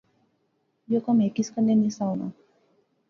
یو کم ہیک اس کنے نہسا ہونا